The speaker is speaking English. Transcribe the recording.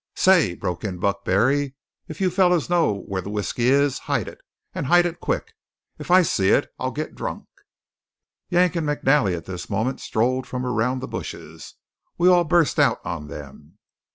"Say," broke in Buck Barry, "if you fellows know where the whiskey is, hide it, and hide it quick. If I see it, I'll get drunk!" Yank and McNally at this moment strolled from around the bushes. We all burst out on them.